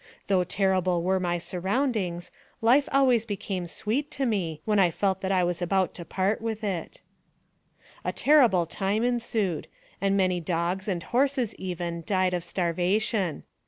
Though terrible were my surroundings, life always became sweet to me, when I felt that I was about to part with it. 110 NARRATIVE OF CAPTIVITY A terrible time ensued, and many dogs, and horses, even, died of starvation.